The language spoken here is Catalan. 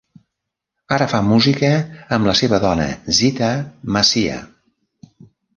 Ara fa música amb la seva dona Zeeteah Massiah.